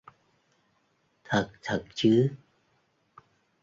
Thật thật chứ